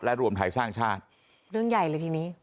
และรวมไทยสร้างชาติเรื่องใหญ่เลยทีนี้